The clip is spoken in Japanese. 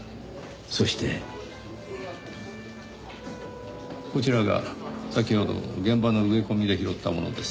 そしてこちらが先ほど現場の植え込みで拾ったものです。